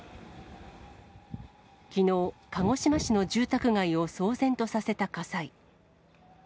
きのう、鹿児島市の住宅街を騒然とさせた火災。